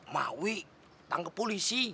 maui tangkap polisi